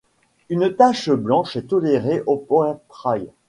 Une tache blanche est tolérée au poitrail.